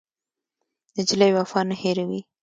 نجلۍ وفا نه هېروي.